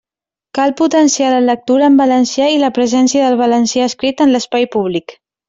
Cal potenciar la lectura en valencià i la presència del valencià escrit en l'espai públic.